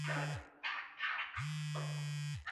有此类似性质的还有七氧化二铼等。